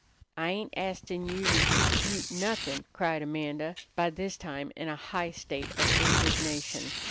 "I ain't astin' you to dispute nothin'," cried Amanda, by this time in a high state of indignation.